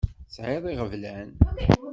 Tesεiḍ iɣeblan.